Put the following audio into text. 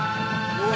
うわ！